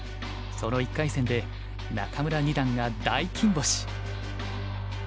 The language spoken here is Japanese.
その１回戦で仲邑二段が大金星。